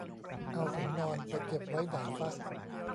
เอาถุงนอนไปเก็บไว้ไหนฟะ